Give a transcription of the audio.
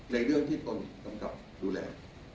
เรื่องที่ตนกำกับดูแล